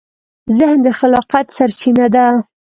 ذهن د خلاقیت سرچینه ده.